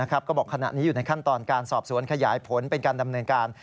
ก็บอกขณะนี้อยู่ในขั้นตอนการสอบสวนขยายผลเป็นการดำเนินการ